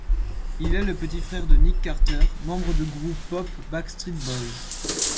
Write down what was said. Il est le petit frère de Nick Carter, membre du groupe pop Backstreet Boys.